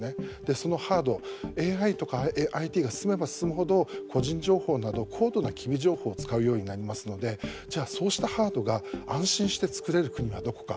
そのハードＡＩとかＩＴが進めば進むほど個人情報など高度な機微情報を使うようになりますのでじゃあ、そうしたハードが安心して作れる国はどこか。